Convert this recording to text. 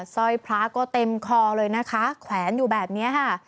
ร้อยพระก็เต็มคอเลยนะคะแขวนอยู่แบบนี้ค่ะ